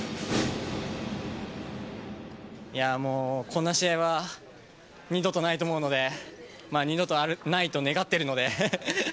こんな試合は二度とないと思うので二度とないと願っているので。